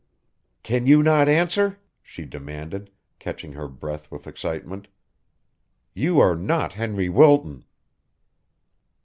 "Can you not answer?" she demanded, catching her breath with excitement. "You are not Henry Wilton."